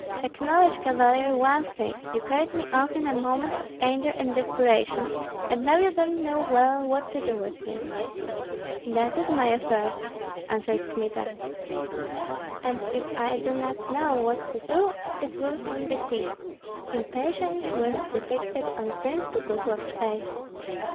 Acknowledge, Cavalier, one thing: you carried me off in a moment of anger and desperation, and now you don't know well what to do with me." "That is my affair!" answered Kmita; "and if I do not know what to do, it will soon be seen." Impatience was depicted on Prince Boguslav's face.